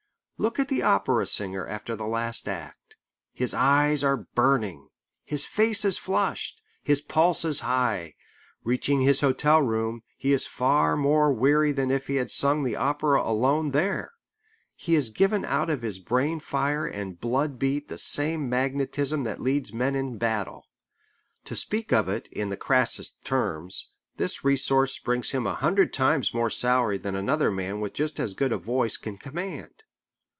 Look at the opera singer after the last act. His eyes are burning. His face is flushed. His pulse is high. Reaching his hotel room, he is far more weary than if he had sung the opera alone there. He has given out of his brain fire and blood beat the same magnetism that leads men in battle. To speak of it in the crassest terms, this resource brings him a hundred times more salary than another man with just as good a voice can command.